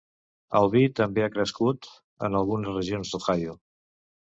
El vi també ha crescut en algunes regions d'Ohio.